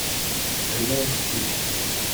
Elle mange tout.